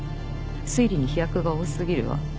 推理に飛躍が多過ぎるわ。